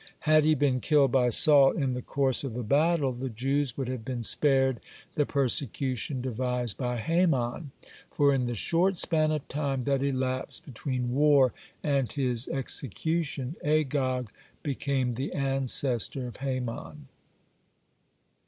Had he been killed by Saul in the course of the battle, the Jews would have been spared the persecution devised by Haman, for, in the short span of time that elapsed between war and his execution, Agag became the ancestor of Haman.